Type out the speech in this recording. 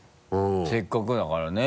せっかくだからね。